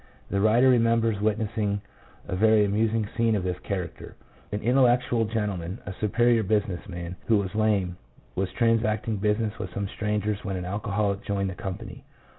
The writer remembers witnessing a very amusing scene of this character. An intellectual gentleman, a superior business man, who was lame, was transacting business with some strangers when an alcoholic joined the company.